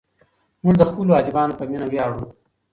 موږ د خپلو ادیبانو په مینه ویاړو.